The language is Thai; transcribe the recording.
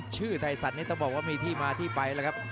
ชื่อไทยสันต้องบอกว่ามีที่มาที่ไปครับ